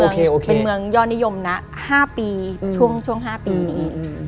เป็นเมืองยอดนิยมนะ๕ปีช่วง๕ปีนี้